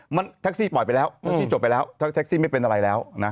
มันแท็กซี่ปล่อยไปแล้วแท็กซี่จบไปแล้วแท็กซี่ไม่เป็นอะไรแล้วนะ